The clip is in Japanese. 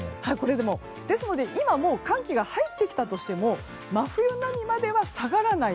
ですので今もう寒気が入ってきたとしても真冬並みまでは下がらない。